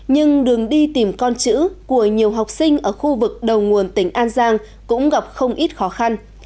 nhưng đường đi tìm con chữ của nhiều học sinh ở khu vực đầu nguồn tỉnh an giang cũng gặp không ít khó khăn